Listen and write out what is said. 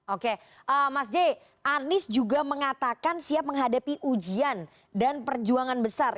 oke mas j anies juga mengatakan siap menghadapi ujian dan perjuangan besar